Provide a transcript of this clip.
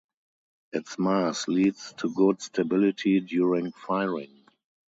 Its mass leads to good stability during firing.